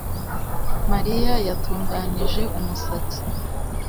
Mariya yatunganije umusatsi